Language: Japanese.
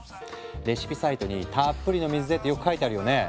レシピサイトに「たっぷりの水で」ってよく書いてあるよね。